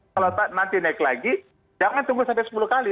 kalau nanti naik lagi jangan tunggu sampai sepuluh kali